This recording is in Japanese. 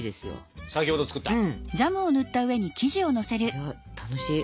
いや楽しい。